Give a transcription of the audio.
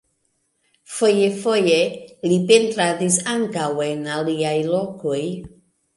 Foje-foje li pentradis ankaŭ en aliaj lokoj.